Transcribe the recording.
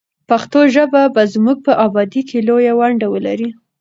پښتو ژبه به زموږ په ابادۍ کې لویه ونډه ولري.